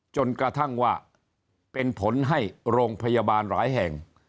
จนกระทั่งว่าเป็นผลให้โรงพยาบาลหลายแห่ง